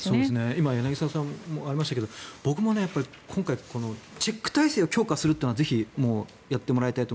今、柳澤さんからもありましたけど僕も今回、チェック体制を強化するというのはぜひやってもらいたいと。